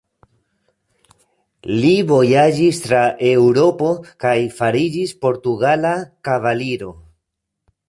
Li vojaĝis tra Eŭropo kaj fariĝis portugala kavaliro.